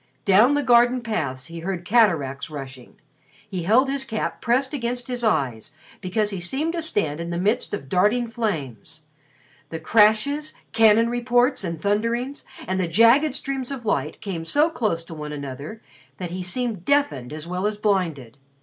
Down the garden paths he heard cataracts rushing. He held his cap pressed against his eyes because he seemed to stand in the midst of darting flames. The crashes, cannon reports and thunderings, and the jagged streams of light came so close to one another that he seemed deafened as well as blinded.